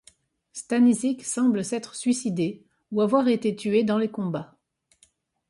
Stanišić semble s'être suicidé, ou avoir été tué dans les combats.